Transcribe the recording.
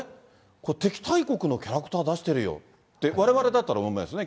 これ敵対国のキャラクター出してるよって、われわれだったら思いますよね。